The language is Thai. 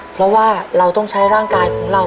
เพราะว่าเราต้องใช้ร่างกายของเรา